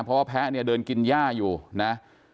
เพราะว่าแพ้เนี่ยเดินกินย่าอยู่นะ